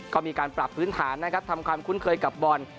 ก็มีการปรับพื้นฐานนะครับทำความคุ้นเคยกับบอล